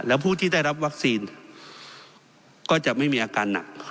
แล้วผู้ที่ได้รับวัคซีนก็จะไม่มีอาการหนัก